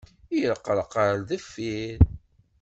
Irreqraq ɣer deffir.